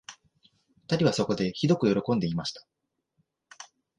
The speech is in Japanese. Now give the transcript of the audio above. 二人はそこで、ひどくよろこんで言いました